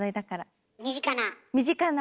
身近な？